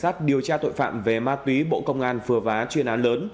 cục cảnh sát điều tra tội phạm về ma túy bộ công an phừa vá chuyên án lớn